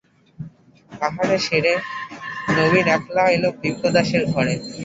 আহার সেরে নবীন একলা এল বিপ্রদাসের ঘরে।